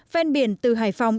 ven biển từ hải phòng